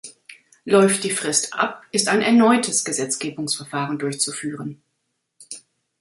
Läuft die Frist ab, ist ein erneutes Gesetzgebungsverfahren durchzuführen.